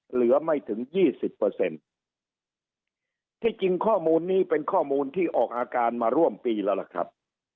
เหลือไม่ถึงยี่สิบเปอร์เซ็นต์ที่จริงข้อมูลนี้เป็นข้อมูลที่ออกอาการมาร่วมปีแล้วล่ะครับ